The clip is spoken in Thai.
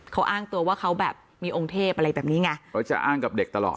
เขาอ้างตัวว่าเขาแบบมีองค์เทพอะไรแบบนี้ไงเขาจะอ้างกับเด็กตลอด